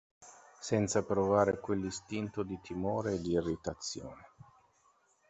Senza provare quell'istinto di timore e di irritazione.